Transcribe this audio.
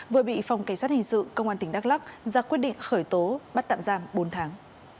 vừa bị phòng cảnh sát hình sự công an tỉnh đắk lắc ra quyết định khởi tố bắt tạm giam bốn tháng